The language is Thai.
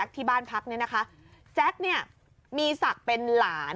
ที่บ้านพักนี้นะคะ